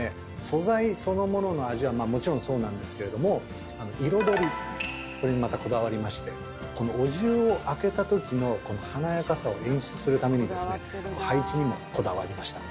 素材そのものの味はもちろんそうなんですけれども彩りこれにまたこだわりましてお重を開けた時の華やかさを演出するために配置にもこだわりました。